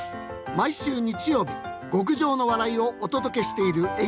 毎週日曜日極上の笑いをお届けしている「演芸図鑑」。